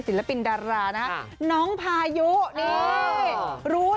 ศิลปินดารานะน้องพายุ